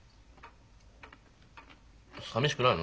さみしくないの？